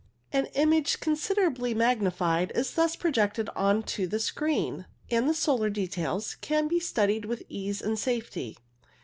An image, considerably magnified, is thus projected on to the screen, and the solar details can be studied with ease and safety.